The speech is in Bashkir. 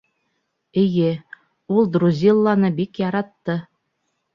Эйе, ул Друзилланы бик яратты.